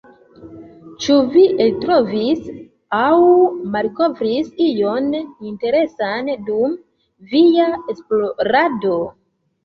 Ĉu vi eltrovis aŭ malkovris ion interesan dum via esplorado?